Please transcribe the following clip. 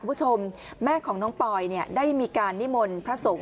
คุณผู้ชมแม่ของน้องปอยเนี่ยได้มีการนิมนต์พระสงฆ์